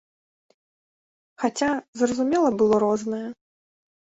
Хаця, зразумела, было рознае.